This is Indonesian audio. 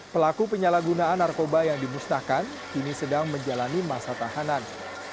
pelaku penyalahgunaan narkoba yang dimusnahkan kini sedang menjalani masa tahanan